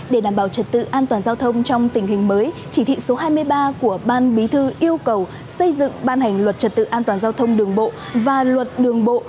để đảm bảo trật tự an toàn giao thông trong tình hình mới chỉ thị số hai mươi ba của ban bí thư yêu cầu xây dựng ban hành luật trật tự an toàn giao thông đường bộ và luật đường bộ